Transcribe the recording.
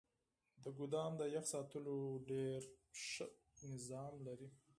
دا ګودام د يخ ساتلو ډیر عالي سیستم لري.